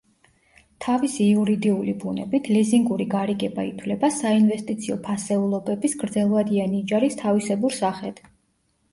თავისი იურიდიული ბუნებით, ლიზინგური გარიგება ითვლება საინვესტიციო ფასეულობების გრძელვადიანი იჯარის თავისებურ სახედ.